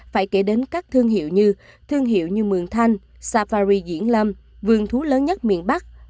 phải kể đến các thương hiệu như mường thanh safari diễn lâm vườn thú lớn nhất miền bắc